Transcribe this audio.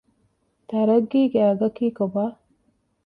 ތަރައްގީގެ އަގަކީ ކޮބާ؟